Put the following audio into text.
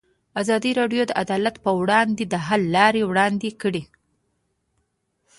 ازادي راډیو د عدالت پر وړاندې د حل لارې وړاندې کړي.